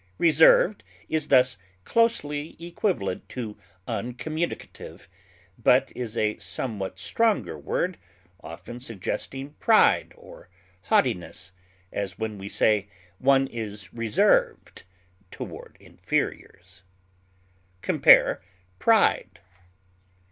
Reserved is thus closely equivalent to uncommunicative, but is a somewhat stronger word, often suggesting pride or haughtiness, as when we say one is reserved toward inferiors. Compare PRIDE.